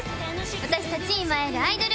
私たち今会えるアイドル！